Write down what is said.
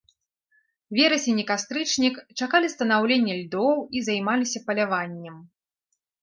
Верасень і кастрычнік чакалі станаўлення льдоў і займаліся паляваннем.